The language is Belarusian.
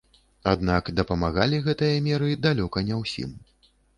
Аднак дапамаглі гэтыя меры далёка не ўсім.